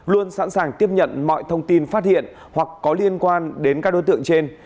luôn sẵn sàng tiếp nhận mọi thông tin phát hiện hoặc có liên quan đến các đối tượng trên